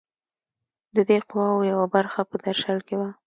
د دې قواوو یوه برخه په درشل کې وه.